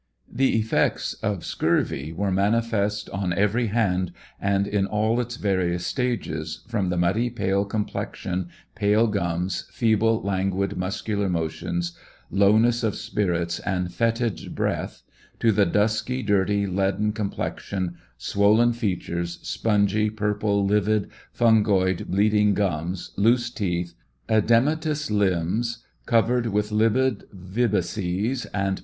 The elfects of scurvy were manifest on every hand, and in all its various stages, from tne muddy pale complexion, pale gums, feeble, languid muscular motions, lowness of spirits, and fetid breath, to the dusky, dirty, leaden complexion, swollen features, spongy, purple, livid, fungoid, bleeding gums, loose teeth, a3dematous limos, covered with livid vibices, and.